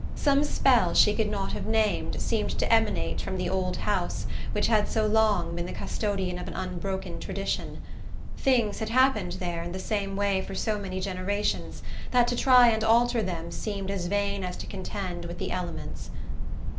Some spell she could not have named seemed to emanate from the old house which had so long been the custodian of an unbroken tradition: things had happened there in the same way for so many generations that to try to alter them seemed as vain as to contend with the elements.